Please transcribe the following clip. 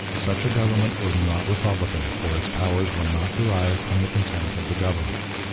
Such a government was not republican, for its powers were not derived from the consent of the governed.